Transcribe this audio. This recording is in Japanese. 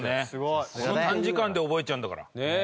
この短時間で覚えちゃうんだから。